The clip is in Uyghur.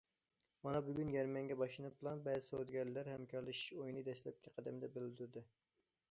مانا بۈگۈن يەرمەنكە باشلىنىپلا، بەزى سودىگەرلەر ھەمكارلىشىش ئويىنى دەسلەپكى قەدەمدە بىلدۈردى.